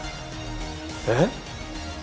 えっ？